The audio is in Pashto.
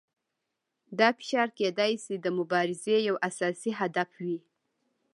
دا فشار کیدای شي د مبارزې یو اساسي هدف وي.